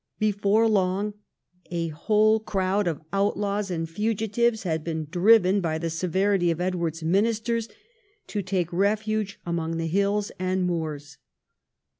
Before long a whole crowd of outlaws and fugitives had been driven by the severity of Edward's ministers to take refuge among the hills and moors.